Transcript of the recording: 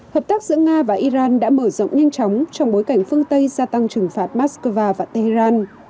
hợp tác giữa nga và iran đã mở rộng nhanh chóng trong bối cảnh phương tây gia tăng trừng phạt moscow và tehran